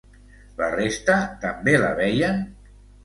La resta també la veien?